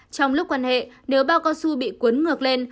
trong lúc quan hệ nếu bao cao su bị cuốn ngược lên